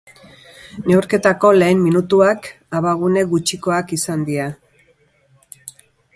Neurketako lehen minutuak abagune gutxikoak izan dira.